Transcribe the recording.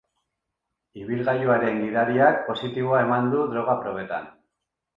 Ibilgailuaren gidariak positibo eman du droga probetan.